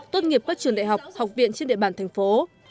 tốt nghiệp các trường đại học học viện trên địa bàn thành phố